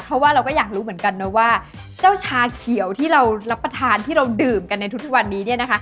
เพราะว่าเราก็อยากรู้เหมือนกันนะว่าเจ้าชาเขียวที่เรารับประทานที่เราดื่มกันในทุกวันนี้เนี่ยนะคะ